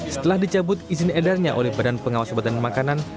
setelah dicabut izin edarnya oleh badan pengawas obat dan makanan